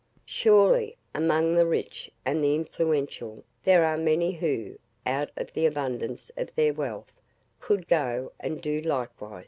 Surely, among the rich and the influential, there are many who, out of the abundance of their wealth, could "go and do likewise."